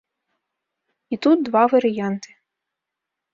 І тут два варыянты.